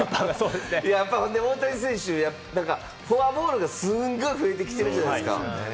大谷選手、フォアボールがすんごい増えてきてるじゃないですか。